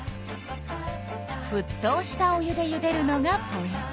ふっとうしたお湯でゆでるのがポイント。